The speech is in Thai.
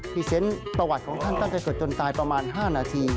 เซนต์ประวัติของท่านตั้งแต่สดจนตายประมาณ๕นาที